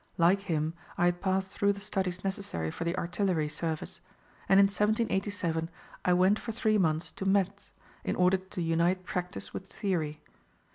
Like him, I had passed through the studies necessary for the artillery service; and in 1787 I went for three months to Metz, in order to unite practice with theory.